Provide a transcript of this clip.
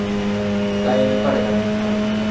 鍛え抜かれた肉体